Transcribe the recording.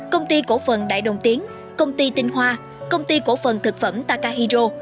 công ty cổ phần đại đồng tiến công ty tinh hoa công ty cổ phần thực phẩm takahiro